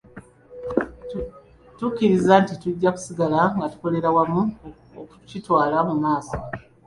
Tukkiriza nti tujja kusigala nga tukolera wamu okukitwala mu maaso.